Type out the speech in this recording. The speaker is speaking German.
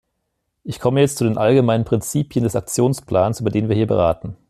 Ich komme jetzt zu den allgemeinen Prinzipien des Aktionsplans, über den wir hier beraten.